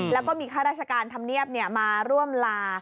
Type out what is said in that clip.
แล้วก็มีข้าราชการธรรมเนียบมาร่วมลา